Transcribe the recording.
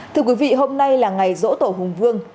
thưa quý vị hôm nay là ngày rỗ tổ hùng vương